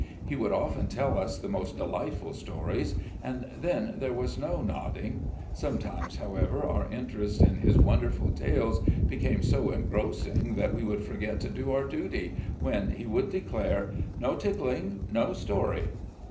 He would often tell us the most delightful stories, and then there was no nodding. Sometimes, however, our interest in his wonderful tales became so engrossing that we would forget to do our duty — ^when he would lo RECOLLECTIONS OP GENERAL LEE declare, "No tickling, no story!"